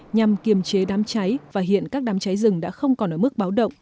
nhằm kiềm chế đám cháy và hiện các đám cháy rừng đã không còn ở mức báo động